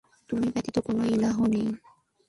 তুমি ব্যতীত কোন ইলাহ নেই।